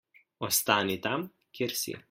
Ostani tam, kjer si.